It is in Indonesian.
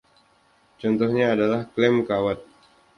Contohnya adalah klem kawat.